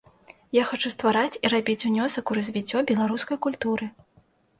Я хачу ствараць і рабіць унёсак у развіццё беларускай культуры.